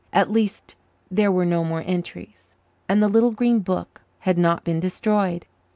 At least, there were no more entries, and the little green book had not been destroyed.